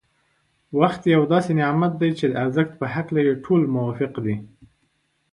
وخت یو داسې نعمت دی چي د ارزښت په هکله يې ټول موافق دی.